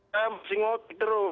saya masih ngotek terus